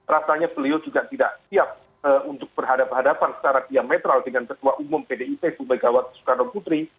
rasanya beliau juga tidak siap untuk berhadapan hadapan secara diametral dengan ketua umum pdip bu megawati soekarno putri